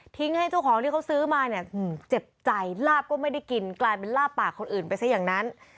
ให้เจ้าของที่เขาซื้อมาเนี่ยเจ็บใจลาบก็ไม่ได้กินกลายเป็นลาบปากคนอื่นไปซะอย่างนั้น